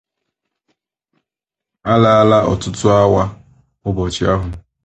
ala ala ọtụtụ awa ụbọchị ahụ